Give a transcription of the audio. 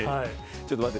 ちょっと待って。